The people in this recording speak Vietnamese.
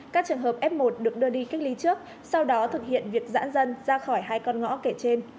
các trường hợp f một được đưa đi cách ly trước sau đó thực hiện việc giãn dân ra khỏi hai con ngõ kể trên